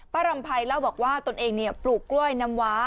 ป้ารำไพ่เล่าบอกว่าตนเองเนี่ยปลูกกล้วยน้ำวา